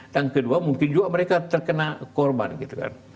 dan kedua mungkin juga mereka terkena korban gitu kan